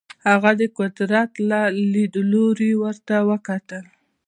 هغه د قدرت له لیدلوري ورته وکتل.